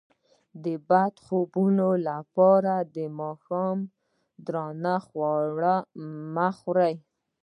د بد خوبونو لپاره د ماښام دروند خواړه مه خورئ